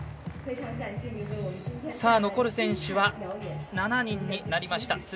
残る選手は７人になりました。